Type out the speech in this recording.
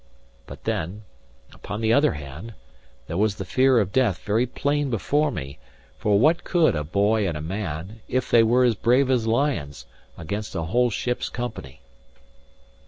But then, upon the other hand, there was the fear of death very plain before me; for what could a boy and a man, if they were as brave as lions, against a whole ship's company?